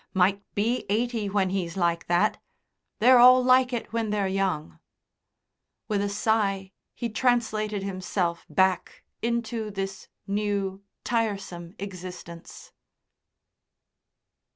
Might be eighty when he's like that.... They're all like it when they're young." With a sigh he translated himself back into this new, tiresome existence.